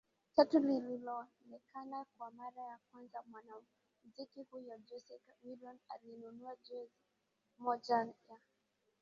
tatu lilonekana kwa mara ya kwanza Mwanamuziki huyo Jose Chameleone alinunua jozi moja ya